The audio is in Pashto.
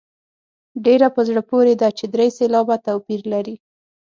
ډېره په زړه پورې ده چې درې سېلابه توپیر لري.